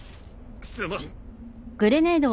すまん。